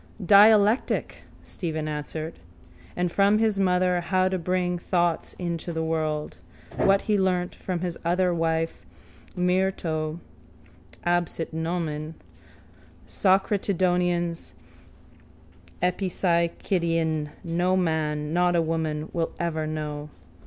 —Dialectic, Stephen answered: and from his mother how to bring thoughts into the world. What he learnt from his other wife Myrto (absit nomen!), Socratididion's Epipsychidion, no man, not a woman, will ever know.